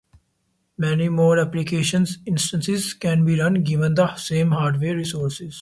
Many more application instances can be run given the same hardware resources.